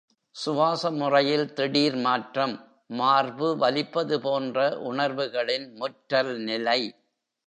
சுவாச முறையில் திடீர் மாற்றம், மார்பு வலிப்பது போன்ற உணர்வுகளின் முற்றல் நிலை.